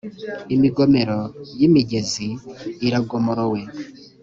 Imigomero y’imigezi iragomorowe